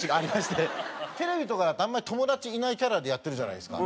テレビとかだとあんまり友達いないキャラでやってるじゃないですか。